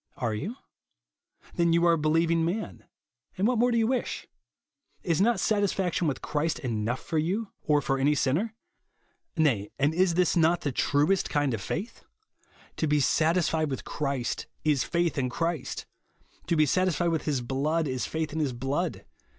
Are you? Then you are a beheving man ; and what more do you wish ? Is not satisfaction with Christ enough for you or for any sinner ? Nay, and is not this the truest kind of faith ? To be satisfied with Christ, is faith in Christ. To be satisfied with his blood, is faith in his blood.